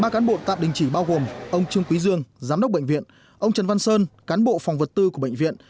ba cán bộ tạm đình chỉ bao gồm ông trương quý dương giám đốc bệnh viện ông trần văn sơn cán bộ phòng vật tư của bệnh viện